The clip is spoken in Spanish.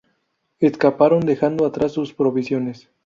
Escaparon, dejando atrás sus provisiones.